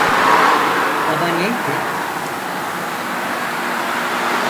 Ama neydi?